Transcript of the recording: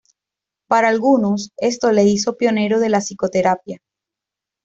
Para algunos esto le hizo pionero de la psicoterapia.